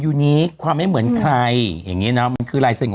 อยู่นี้ความไม่เหมือนใครอย่างนี้เนอะมันคือลายเซ็นต์